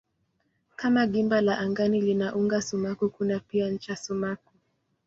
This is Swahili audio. Kama gimba la angani lina uga sumaku kuna pia ncha sumaku.